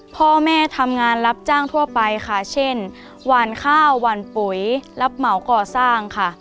พ่อแม่ทำงานรับจ้างทั่วไปค่ะเช่นหวานข้าวหวานปุ๋ยรับเหมาก่อสร้างค่ะ